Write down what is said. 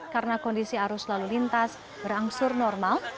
karena kondisi arus lalu lintas berangsur normal